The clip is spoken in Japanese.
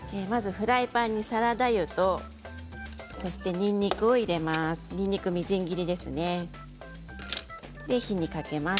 フライパンにサラダ油とそして、にんにくを入れます。